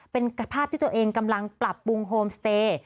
เป็นภาพที่ตัวเองกำลังปรับปรุงโฮมสเตย์